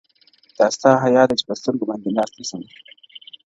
دا ستا حيا ده چي په سترگو باندې لاس نيسمه_